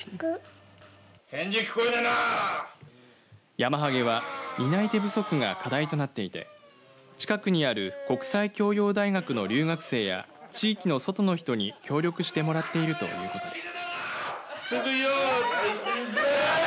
ヤマハゲは担い手不足が課題となっていて近くにある国際教養大学の留学生や地域の外の人に協力してもらっているということです。